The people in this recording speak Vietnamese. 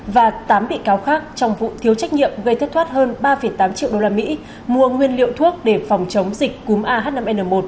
và tám bị cáo khác trong vụ thiếu trách nhiệm gây thất thoát hơn ba tám triệu usd mua nguyên liệu thuốc để phòng chống dịch cúm ah năm n một